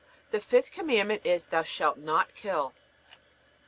The fifth Commandment is: Thou shalt not kill.